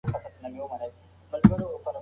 دا هغه کتاب دی چې په کې هیڅ شک نشته.